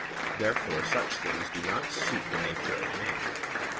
Therefore such things do not suit the nature of man.